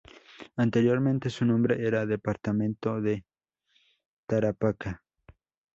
Anteriormente su nombre era Departamento de Tarapacá.